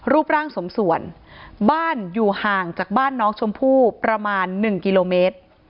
รูปร่างสมส่วนบ้านอยู่ห่างจากบ้านน้องชมพู่ประมาณ๑กิโลเมตร